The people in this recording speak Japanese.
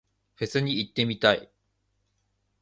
フェスに行ってみたい。